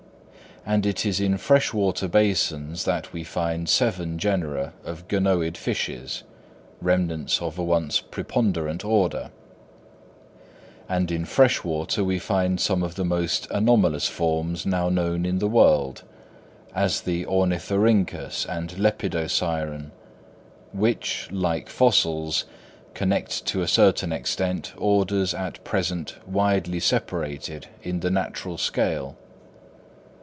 And it is in fresh water basins that we find seven genera of Ganoid fishes, remnants of a once preponderant order: and in fresh water we find some of the most anomalous forms now known in the world, as the Ornithorhynchus and Lepidosiren, which, like fossils, connect to a certain extent orders at present widely separated in the natural scale.